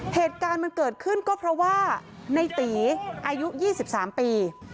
เหตุการณ์มันเกิดขึ้นก็เพราะว่าในตีอายุ๒๓ปี